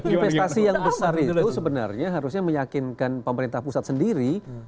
investasi yang besar itu sebenarnya harusnya meyakinkan pemerintah pusat sendiri